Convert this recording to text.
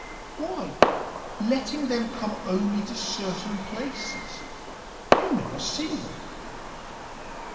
"Why, letting them come only to certain places. You never see them."